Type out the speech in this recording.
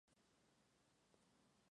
Comerciante distribuidor de carnes.